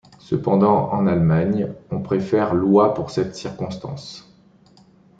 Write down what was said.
Cependant, en Allemagne, on préfère l'oie pour cette circonstance.